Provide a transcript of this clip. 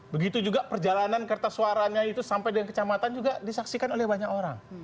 begitu juga perjalanan kertas suaranya itu sampai dengan kecamatan juga disaksikan oleh banyak orang